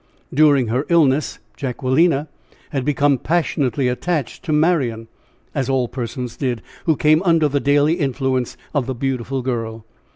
During her illness, Jacquelina had become passionately attached to Marian, as all persons did who came under the daily influence of the beautiful girl.